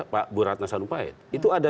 pak bu ratna sarumpait itu ada